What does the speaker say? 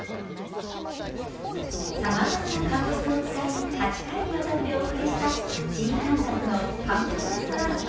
さまざまな乾物を使い８回にわたってお送りした新感覚の乾物レストラン。